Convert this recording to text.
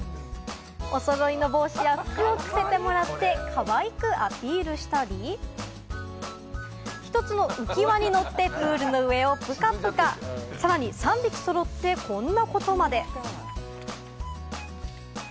お揃いの帽子や服を着せてもらって、可愛くアピールしたり、１つの浮輪に乗ってプールの上をプカプカ、さらに３匹揃って、こんなことまで。